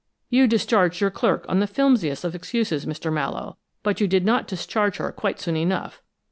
You discharged your clerk on the flimsiest of excuses, Mr. Mallowe but you did not discharge her quite soon enough.